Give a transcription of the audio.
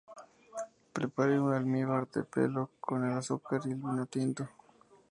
Prepare un almíbar de pelo con el azúcar y el vino tinto.